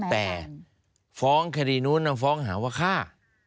แต่ฟ้องคดีนู้นฟ้องหาว่าฆ่า